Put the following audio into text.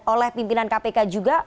oleh pimpinan kpk juga